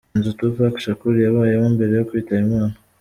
Inzu Tupac Shakur yabayemo mbere yo kwitaba Imana.